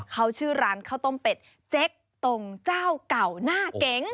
เขาชื่อร้านข้าวต้มเป็ดเจ๊กตรงเจ้าเก่าหน้าเก๋ง